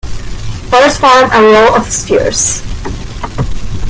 First form a row of spheres.